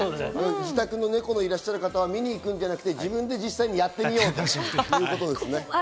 自宅にネコがいらっしゃる方は見に行くのではなく、自宅でやってみようということですね。